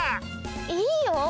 いいよ！